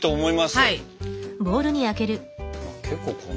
はい！